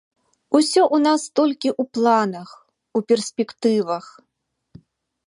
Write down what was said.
Усё ў нас толькі ў планах, у перспектывах.